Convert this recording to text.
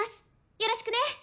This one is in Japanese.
よろしくね。